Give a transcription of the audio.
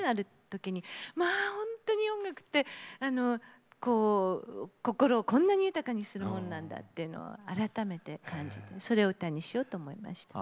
まあ、本当に音楽って心を豊かにしてくれるものなんだって改めて感じてそれを歌にしようと思いました。